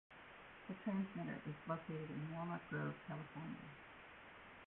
Its transmitter is located in Walnut Grove, California.